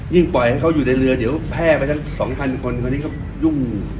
ยิ่งปล่อยให้เขาอยู่ในเรือเดี๋ยวแพร่ไปถึง๒๐๐๐คนคนนี้ก็ยุ่ง